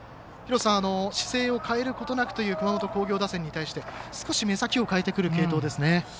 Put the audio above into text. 姿勢を変えることなくという熊本工業打線に対して少し目先を変えてくる継投ですね。